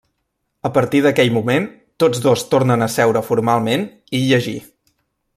A partir d'aquell moment, tots dos tornen a seure formalment i llegir.